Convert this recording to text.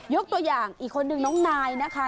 ยกตัวอย่างหนุ่มน้องนายนะคะ